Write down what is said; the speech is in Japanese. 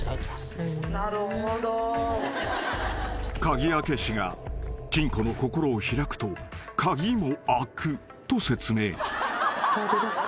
［鍵開け師が金庫の心を開くと鍵も開くと説明］